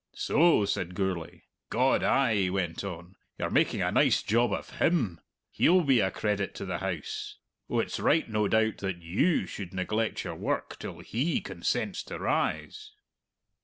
"So?" said Gourlay. "God, ay!" he went on; "you're making a nice job of him. He'll be a credit to the house. Oh, it's right, no doubt, that you should neglect your work till he consents to rise."